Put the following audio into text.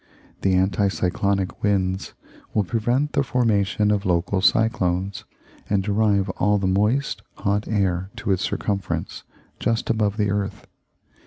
The anti cyclonic winds will prevent the formation of local cyclones, and drive all the moist, hot air to its circumference, just above the earth.